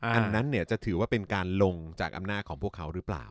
อันนั้นจะถือว่าเป็นการลงจากอำนาจของพวกเขาหรือเปล่า